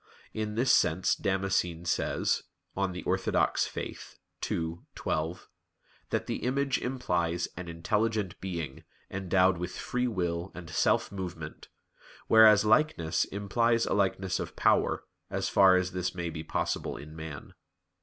In this sense Damascene says (De Fide Orth. ii, 12) that the image implies "an intelligent being, endowed with free will and self movement, whereas likeness implies a likeness of power, as far as this may be possible in man."